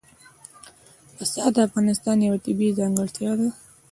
پسه د افغانستان یوه طبیعي ځانګړتیا ده.